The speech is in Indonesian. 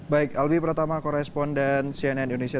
baik alwi pertama koresponden cnn indonesia